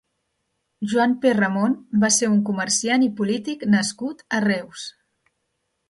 Joan Perramon va ser un comerciant i polític nascut a Reus.